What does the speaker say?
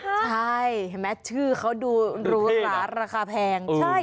ใช่เห็นไหมชื่อเขาดูหรูหราราคาแพง